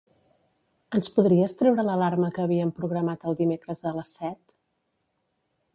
Ens podries treure l'alarma que havíem programat els dimecres a les set?